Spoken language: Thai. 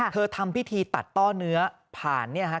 ทำพิธีตัดต้อเนื้อผ่านเนี่ยฮะ